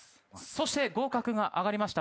そして合格が挙がりました。